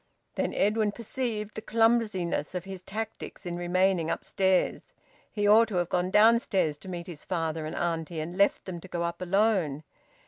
Then Edwin perceived the clumsiness of his tactics in remaining upstairs. He ought to have gone downstairs to meet his father and auntie, and left them to go up alone.